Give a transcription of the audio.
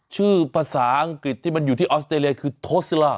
ชื่อภาษาอังกฤษที่มันอยู่ที่ออสเตรเลียคือโทสลา